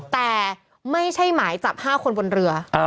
แต่ไม่ใช่หมายจับ๕คนบนเรือ